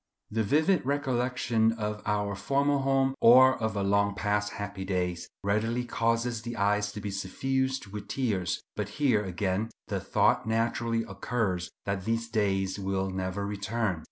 The vivid recollection of our former home, or of long past happy days, readily causes the eyes to be suffused with tears; but here, again, the thought naturally occurs that these days will never return.